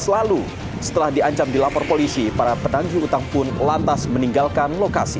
dua ribu sebelas lalu setelah diancam di lapor polisi para penanggi utang pun lantas meninggalkan lokasi